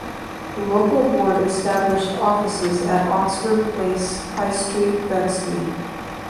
The local board established offices at Oxford Place, High Street, Bexley.